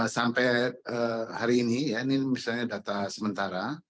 sampai hari ini ya ini misalnya data sementara